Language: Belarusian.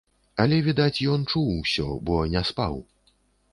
Але відаць, ён чуў усё, бо не спаў.